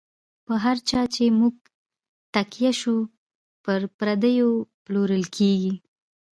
په هر چا چی مو نږ تکیه شو، پر پردیو پلورل کیږی